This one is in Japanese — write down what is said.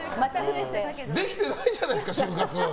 できてないじゃないですか、終活。